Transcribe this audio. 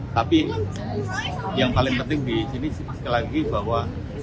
tapi yang paling penting di sini sekali lagi bahwa